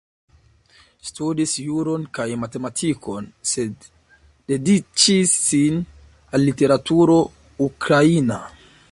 Studis juron kaj matematikon, sed dediĉis sin al literaturo ukraina.